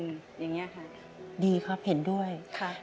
วันนึงที่เราไม่มีเงินเราก็ยังมีผักไว้ให้ลูกกิน